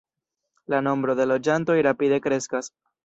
La nombro de loĝantoj rapide kreskas.